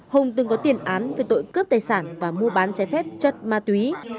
hùng từng có tiền án về tội cướp tài sản và mua bán trái phép chất ma túy